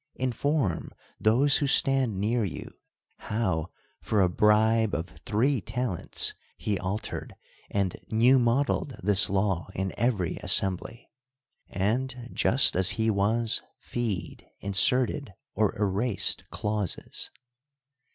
Inform those who stand near you how, for a bribe of three talents, he altered and new modeled this law in every assembly ; and, just as he was feed, inserted or erased clauses.